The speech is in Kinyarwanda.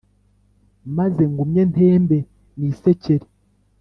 maze ngumye ntembe nisekere